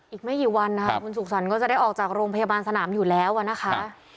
อีกไม่กี่วันนะคะคุณสุขสรรค์ก็จะได้ออกจากโรงพยาบาลสนามอยู่แล้วนะคะ